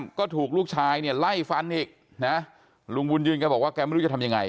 แล้วก็ถูกลูกชายไล่ฟันอีกลุงบุญยืนก็บอกว่าไม่รู้จะทำยังไง